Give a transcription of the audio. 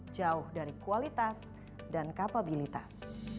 jauh dari kualitas dan kapabilitas